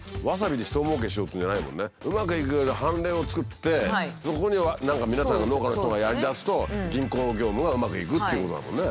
うまくいくような範例を作ってそこに何か皆さんが農家の人がやりだすと銀行の業務がうまくいくっていうことだもんね。